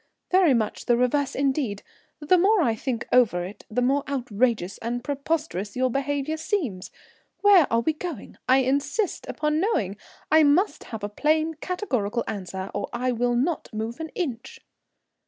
"Very much the reverse indeed. The more I think over it the more outrageous and preposterous your behaviour seems. Where are we going? I insist upon knowing. I must have a plain categorical answer or I will not move an inch."